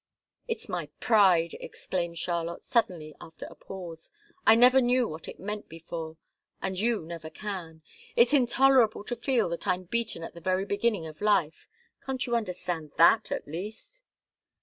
"It's my pride!" exclaimed Charlotte, suddenly, after a pause. "I never knew what it meant before and you never can. It's intolerable to feel that I'm beaten at the very beginning of life. Can't you understand that, at least?"